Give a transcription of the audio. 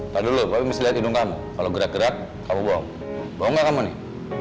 padahal lo kamu mesti liat hidung kamu kalau gerak gerak kamu bohong bohong gak kamu nih